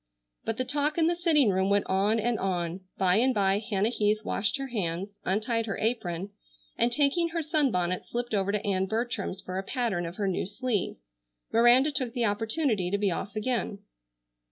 But the talk in the sitting room went on and on. By and by Hannah Heath washed her hands, untied her apron, and taking her sunbonnet slipped over to Ann Bertram's for a pattern of her new sleeve. Miranda took the opportunity to be off again.